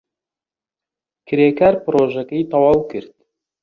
کرێکار پرۆژەکەی تەواو کرد.